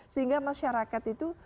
sehingga masyarakat itu